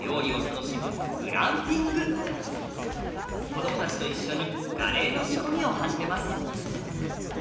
子どもたちと一緒にカレーの仕込みを始めます。